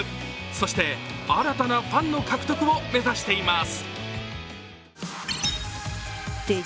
そして新たなファンの獲得を目指しています。